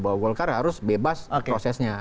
bahwa golkar harus bebas prosesnya